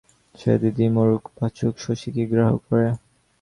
সেনদিদি মরুক বাঁচুক শশী কি গ্রাহ্য করে।